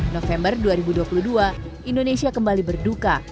november dua ribu dua puluh dua indonesia kembali berduka